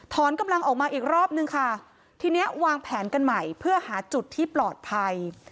กำลังออกมาอีกรอบนึงค่ะทีนี้วางแผนกันใหม่เพื่อหาจุดที่ปลอดภัย